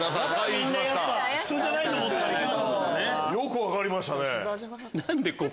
よく分かりましたね。